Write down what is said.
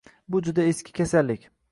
Bu juda eski kasallik.